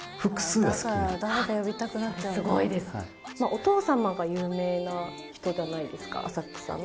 お父さまが有名な人じゃないですか浅草の。